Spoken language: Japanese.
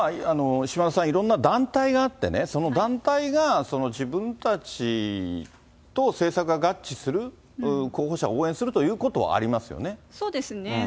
島田さん、いろんな団体があってね、その団体が、自分たちと政策が合致する候補者を応援するということは、そうですね。